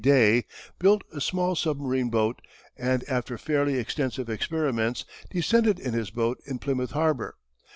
Day, built a small submarine boat, and after fairly extensive experiments, descended in his boat in Plymouth harbour.